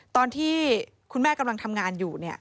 ตอนที่คุณแม่กำลังทำงานอยู่